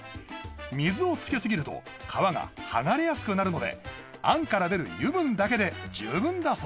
水をつけすぎると皮が剥がれやすくなるので餡から出る油分だけで十分だそうです